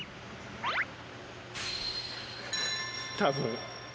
多分。